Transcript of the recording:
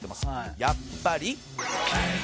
「やっぱり」